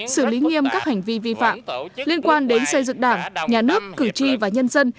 xử lý nghiêm các hành vi vi phạm liên quan đến xây dựng đảng nhà nước cử tri và nhân dân